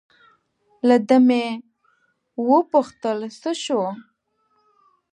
له ده مې و پوښتل: څه شو؟